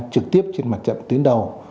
trực tiếp trên mặt trận tuyến đầu